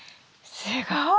すごい。